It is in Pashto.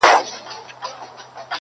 د جرگې به يو په لس پورته خندا سوه.!